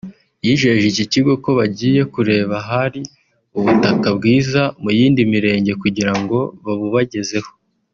yijeje iki kigo ko bagiye kureba ahari ubutaka bwiza muy indi mirenge kugirango babubagezeho